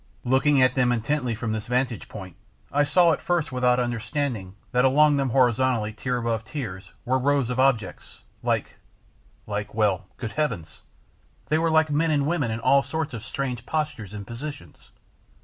Looking at them intently from this vantage point I saw without at first understanding that along them horizontally, tier above tier, were rows of objects, like like why, good Heavens, they were like men and women in all sorts of strange postures and positions!